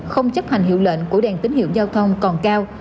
không chấp hành hiệu lệnh của đèn tín hiệu giao thông còn cao